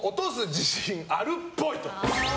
自信あるっぽい。